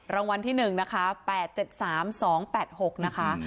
รางวัลที่๑นะคะ๘๗๓๒๘๖นะคะ